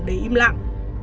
để im lặng